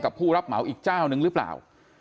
ผู้รับเหมาอีกเจ้านึงหรือเปล่า